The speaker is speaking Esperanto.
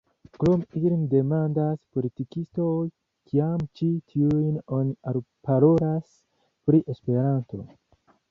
Krome ilin demandas politikistoj, kiam ĉi tiujn oni alparolas pri Esperanto.